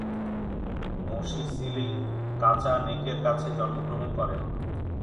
Mosisili কাচা নেকের কাছে জন্মগ্রহণ করেন।